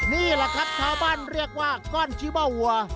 นี่แหละครับชาวบ้านเรียกว่าก้อนชีวาวัว